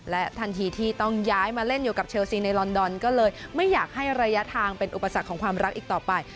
และทันทีที่ต้องย้ายมาเล่นอยู่กับเชลซีในลอนดอนก็เลยไม่อยากให้ระยะทางเป็นอุปสรรคของความรักอีกต่อไป